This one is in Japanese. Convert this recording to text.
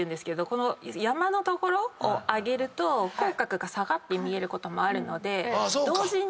この山の所を上げると口角が下がって見えることもあるので。